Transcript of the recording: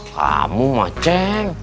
kamu mah ceng